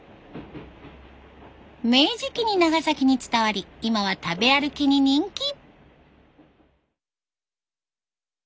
明治期に長崎に伝わり今は食べ歩きに人気。